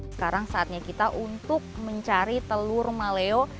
sekarang saatnya kita untuk mencari telur maleo